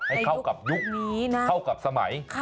ให้เข้ากับยุคนี้นะเข้ากับสมัย